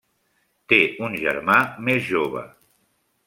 Té un germà més jove.